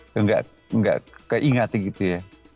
tidak keingat gitu ya